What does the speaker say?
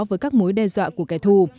với các mối đe dọa của kẻ thù